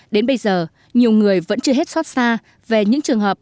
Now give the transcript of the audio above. đến bây giờ nhiều người vẫn chưa hết xót xa về những trường hợp